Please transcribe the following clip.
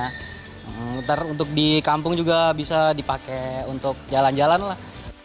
nanti untuk di kampung juga bisa dipakai untuk jalan jalan lah